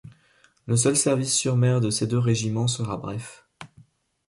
Le seul service sur mer de ces deux régiments sera bref.